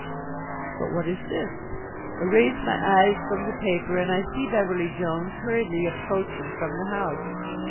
But what is this? I raise my eyes from the paper and I see Beverly Jones hurriedly approaching from the house.